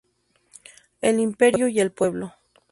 El imperio y el pueblo.